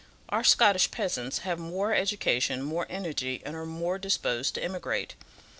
Our Scottish peasants have more education, more energy, and are more disposed to emigrate.